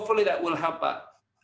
semoga itu bisa membantu